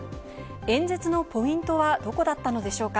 演説のポイントはどこだったのでしょうか？